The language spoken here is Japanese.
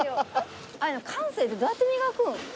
感性ってどうやって磨くん？